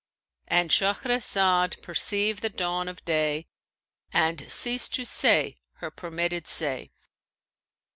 '"—And Shahrazad perceived the dawn of day and ceased to say her permitted say.